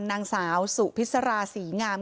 นางสาวสุพิษราศรีงาม